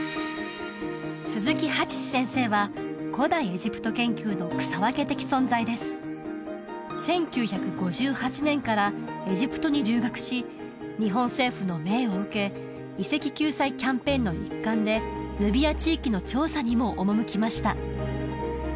鈴木八司先生は古代エジプト研究の草分け的存在です１９５８年からエジプトに留学し日本政府の命を受け遺跡救済キャンペーンの一環でヌビア地域の調査にも赴きました